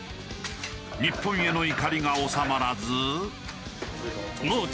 日本への怒りが収まらず。